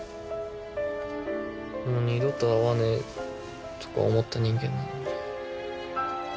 もう二度と会わねえとか思った人間なのに。